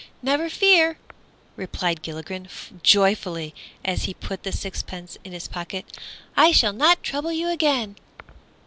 "Never fear," replied Gilligren, joyfully, as he put the sixpence in his pocket, "I shall not trouble you again."